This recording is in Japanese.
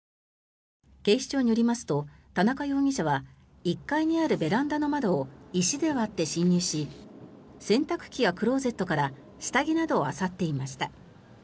警視庁によりますと田中容疑者は１階にあるベランダの窓を石で割って侵入し洗濯機やクローゼットから下着などをあさっていました。